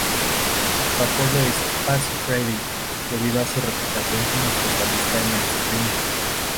Su apodo es "Fast Freddie" debido a su reputación como especialista en el sprint.